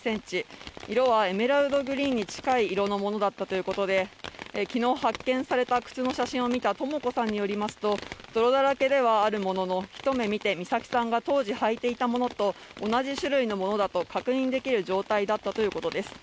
色はエメラルドグリーンに近い色だったということで昨日発見された靴の写真を見たとも子さんによりますと泥だらけではあるものの、ひと目見て美咲さんが当時履いていたものと同じ種類のものだと確認できる状態だったということです。